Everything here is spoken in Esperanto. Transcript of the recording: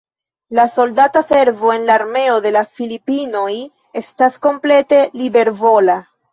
La soldata servo en la Armeo de la Filipinoj estas komplete libervola.